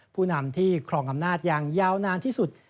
ผู้นำที่ครองอำนาจอย่างยาวนานที่สุด